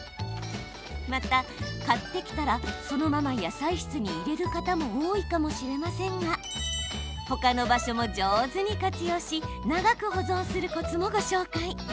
また買ってきたらそのまま野菜室に入れる方も多いかもしれませんがほかの場所も上手に活用し長く保存するコツもご紹介。